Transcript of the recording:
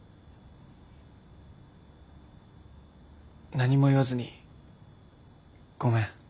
何も言わずにごめん。